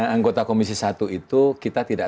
anggota komisi satu itu kita tidak